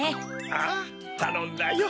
ああたのんだよ。